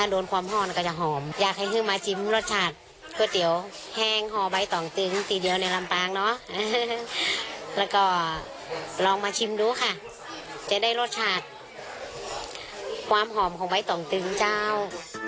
ลองมาชิมดูค่ะจะได้รสชาติความหอมของไบตองตึงจ้าว